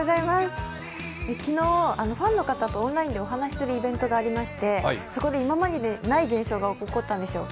昨日ファンの方とオンラインでお話しするイベントがありましてそこで今までにない現象が起こったんですよ。